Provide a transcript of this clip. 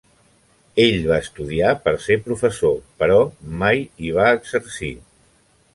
Ell va estudiar per ser professor però mai hi va exercir.